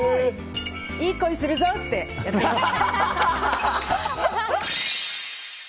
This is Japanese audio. いい恋するぞ！ってやってます。